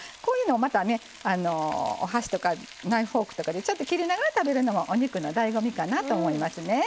また、お箸とかフォークとかで切りながら食べるのもお肉のだいご味かなと思いますね。